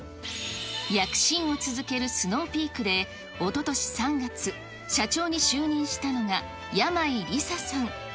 躍進を続けるスノーピークで、おととし３月、社長に就任したのが、山井梨沙さん。